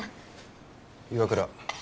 岩倉。